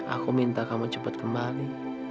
aku minta kamu cepat kembali